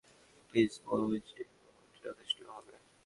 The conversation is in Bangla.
প্লিজ বলুন যে প্রভাবটা যথেষ্ট হবে!